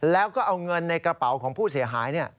แล้วก็เอาเงินในกระเป๋าของผู้เสียหาย